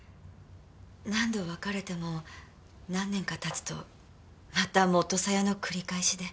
何度別れても何年か経つとまた元サヤの繰り返しで。